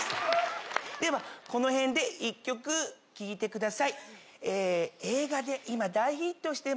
ではこのへんで１曲聴いてください。